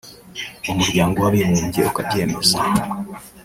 Umuryango w’Abibumbye ukabyemeza